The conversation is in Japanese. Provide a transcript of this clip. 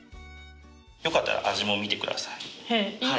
よかったら味も見て下さい。